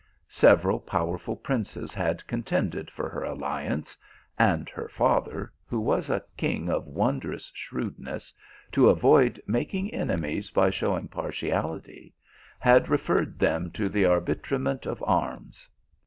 Several powerful princes had contended for her alliance, and her father, who was a king of wondrous shrewdness, to avoid making enemies by showing partiality, had 213 THE ALHAMBRA. referred them to the arbitrament of arms.